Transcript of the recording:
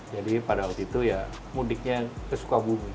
jadi pada waktu itu ya mudiknya ke sukabumi